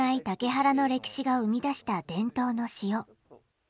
竹原の歴史が生み出した伝統の塩。